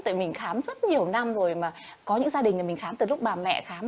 tại mình khám rất nhiều năm rồi mà có những gia đình nhà mình khám từ lúc bà mẹ khám